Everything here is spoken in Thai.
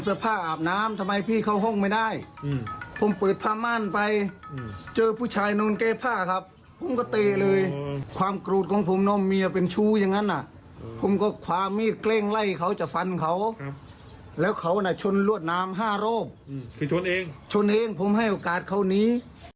คนนี้ค่ะคุณผู้ชมฟังหน่อยนะคะนายโด่งคนนี้